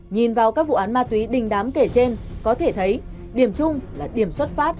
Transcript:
nhìn vào các vụ án ma túy đình đám kể trên có thể thấy điểm chung là điểm xuất phát